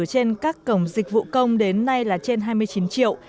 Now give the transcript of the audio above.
trên các cổng dịch vụ công đến nay là trên hai mươi chín triệu